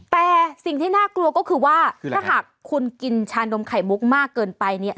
แต่สิ่งที่น่ากลัวก็คือว่าถ้าหากคุณกินชานมไข่มุกมากเกินไปเนี่ย